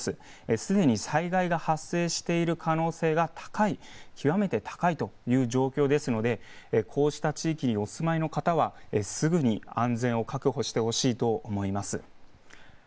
すでに災害が発生している可能性が極めて高いという状況ですのでこうした地域にお住まいの方はすぐに安全を確保してほしいと思います。